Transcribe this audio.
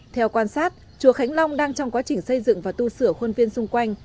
theo quan sát chùa khánh long đang trong quá trình xây dựng và tu sửa khuôn viên xung quanh